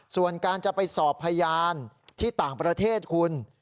ส่วนการจะไปสอบพยานที่ต่างประเทศคุณ